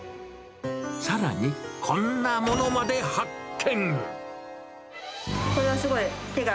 さらに、こんなものまで発見。